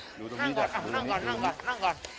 นั่งก่อนนั่งก่อนนั่งก่อน